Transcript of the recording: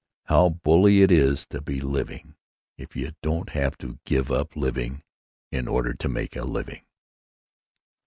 How bully it is to be living, if you don't have to give up living in order to make a living."